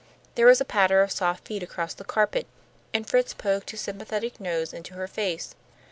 There was a patter of soft feet across the carpet, and Fritz poked his sympathetic nose into her face.